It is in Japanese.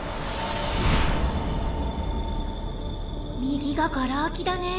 右がガラ空きだね。